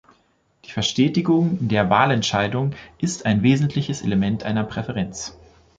Die Verstetigung der Wahlentscheidung ist ein wesentliches Element einer Präferenz.